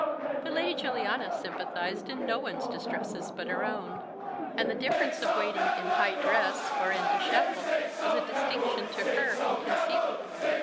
But Lady Juliana sympathised in no one's distresses but her own, and the difference of waiting in high dress or in déshabille was a distinction to her inconceivable.